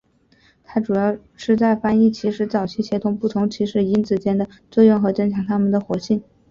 它主要是在翻译起始早期协同不同起始因子间的作用和增强它们的活性。